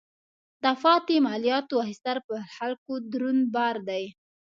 د پاتې مالیاتو اخیستل پر خلکو دروند بار دی.